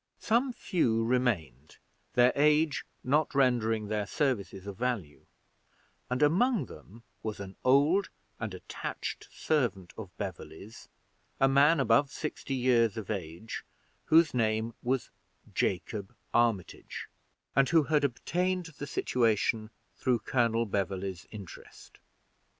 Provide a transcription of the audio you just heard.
Some few remained, their age not rendering their services of value, and among them was an old and attached servant of Beverley, a man above sixty years of age, whose name was Jacob Armitage, and who had obtained the situation through Colonel Beverley's interest.